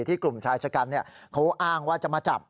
กลุ่มชายชะกันเขาอ้างว่าจะมาจับ